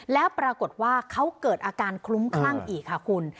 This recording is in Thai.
แล้วปรากฏว่าเขาเกิดอาการคลุ้มคลั่งอีกค่ะคุณ